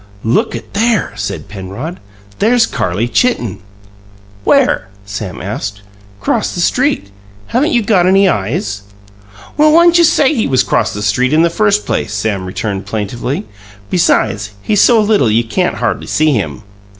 "Look at there!" said Penrod. "There's Carlie Chitten!" "Where?" Sam asked. "'Cross the street. Haven't you got any eyes?" "Well, whyn't you say he was 'cross the street in the first place?" Sam returned plaintively. "Besides, he's so little you can't hardly see him."